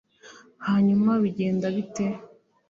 hanyuma bigenda bite